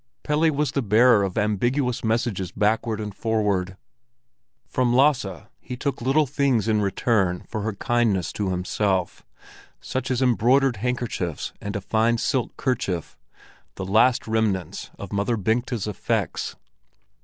Pelle was the bearer of ambiguous messages backward and forward. From Lasse he took little things in return for her kindness to himself, such as embroidered handkerchiefs and a fine silk kerchief, the last remnants of Mother Bengta's effects.